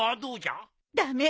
駄目。